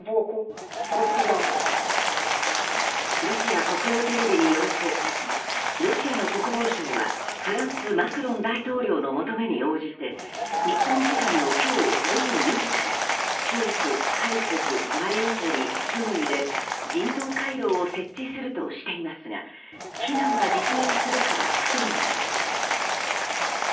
ロシア国営テレビによるとロシアの国防省はフランス、マクロン大統領の求めに応じて日本時間の今日午後４時からキエフ、ハリコフマリウポリ、スムイで人道回廊を設置するとしていますが避難が実現するかは不透明です。